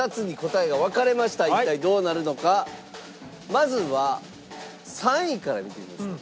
まずは３位から見てみましょう。